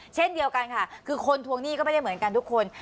เช่นเดียวกันค่ะคือคนทวงหนี้ก็ไม่ได้เหมือนกันทุกคน